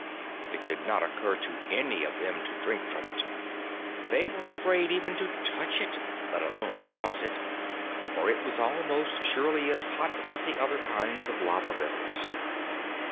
It did not occur to any of them to drink from it. They were afraid even to touch it, let alone cross it, for it was almost surely as hot as the other kinds of lava rivers.